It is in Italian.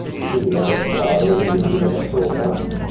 Il rostrale è visibile da sopra.